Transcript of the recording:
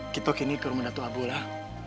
kita kini ke rumah dato abu lah